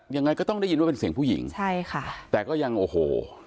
ยังไงก็ต้องได้ยินว่าเป็นเสียงผู้หญิงใช่ค่ะแต่ก็ยังโอ้โห